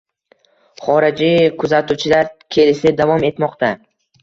Xorijiy kuzatuvchilar kelishi davom etmoqda